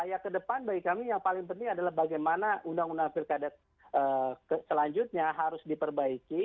ya ke depan bagi kami yang paling penting adalah bagaimana undang undang pilkada selanjutnya harus diperbaiki